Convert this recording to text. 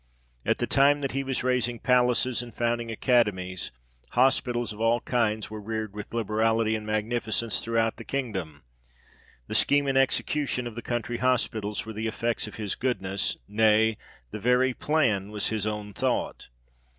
At the time that he was raising palaces, and founding academies, hospitals of all kinds were reared with liberality and magnificence throughout the king dom : the scheme and execution of the county hospitals were the effects of his goodness, nay, the very plan was his own thought.